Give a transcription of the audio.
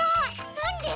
なんで？